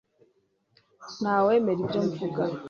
Ntawe wemera ibyo mvuga